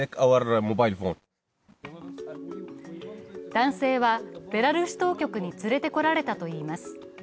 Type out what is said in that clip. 男性は、ベラルーシ当局に連れてこられたといいます。